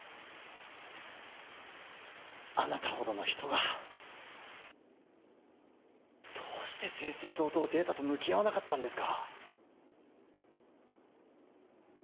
あなたほどの人がどうして正々堂々データと向き合わなかったんですか？